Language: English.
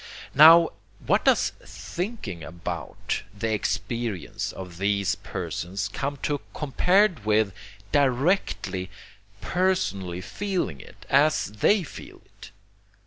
Now, what does THINKING ABOUT the experience of these persons come to compared with directly, personally feeling it, as they feel it?